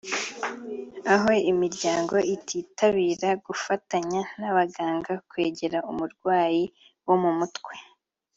aho imiryango ititabira gufatanya n’abaganga kwegera umurwayi wo mu mutwe